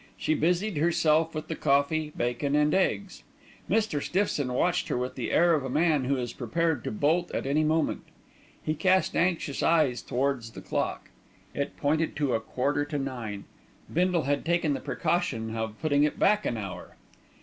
She busied herself with the coffee, bacon and eggs. Mr. Stiffson watched her with the air of a man who is prepared to bolt at any moment. He cast anxious eyes towards the clock. It pointed to a quarter to nine. Bindle had taken the precaution of putting it back an hour.